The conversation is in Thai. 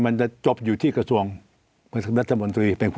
มันจะจบอยู่ที่กระทรวงรัฐมนตรี